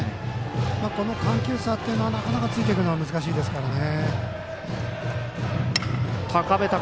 この緩急差というのはついていくのは難しいですからね。